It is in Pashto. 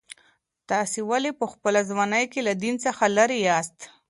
تاسي ولي په خپله ځواني کي له دین څخه لیري یاست؟